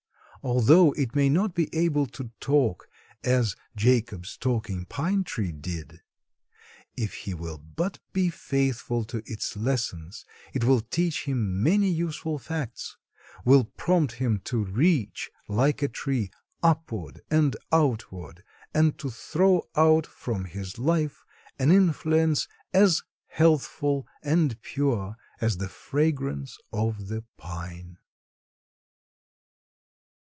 Although it may not be able to talk as Jacob's talking pine tree did, if he will but be faithful to its lessons it will teach him many useful facts; will prompt him to reach, like a tree, upward and outward, and to throw out from his life an influence as healthful and pure as the fragrance of the pine.